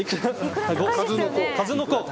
数の子。